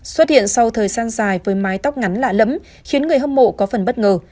xuất hiện sau thời gian dài với mái tóc ngắn lạ lẫm khiến người hâm mộ có phần bất ngờ